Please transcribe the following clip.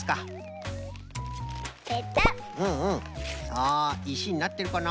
さあいしになってるかな？